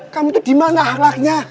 kamu tuh dimana ahlaknya